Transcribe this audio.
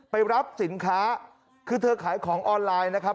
ไปรับสินค้าคือเธอขายของออนไลน์นะครับ